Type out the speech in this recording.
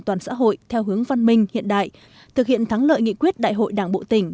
toàn xã hội theo hướng văn minh hiện đại thực hiện thắng lợi nghị quyết đại hội đảng bộ tỉnh